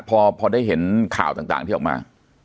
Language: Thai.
เพราะว่าพอได้เห็นข่าวต่างที่ออกมา